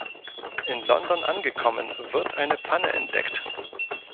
In London angekommen wird eine Panne entdeckt.